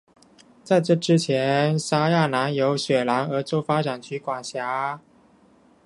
在这之前沙亚南由雪兰莪州发展局管辖。